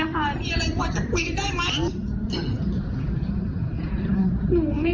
เพราะว่าหนูสองคุณก็จะรู้ว่าเรื่องมันเป็นยังไง